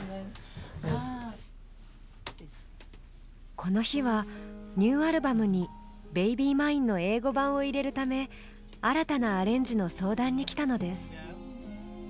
この日はニューアルバムに「ベイビー・マイン」の英語版を入れるため新たなアレンジの相談に来たのです。